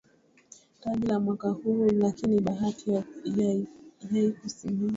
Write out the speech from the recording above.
taji la mwaka huu lakini bahati yaikusimama